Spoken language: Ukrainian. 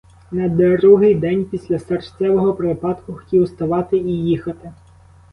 На другий день після серцевого припадку хотів уставати і їхати.